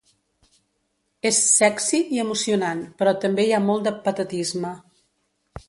És 'sexy' i emocionant, però també hi ha molt de patetisme.